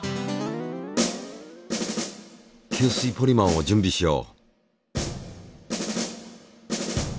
吸水ポリマーを準備しよう。